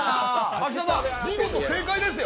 秋定さん、見事正解ですよ？